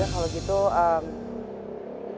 ya udah kalo gitu em